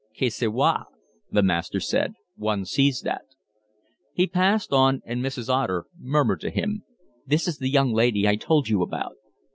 "Ca se voit," the master said. "One sees that." He passed on, and Mrs. Otter murmured to him: "This is the young lady I told you about."